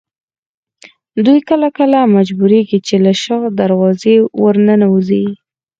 دوی کله کله مجبورېږي چې له شا دروازې ورننوځي.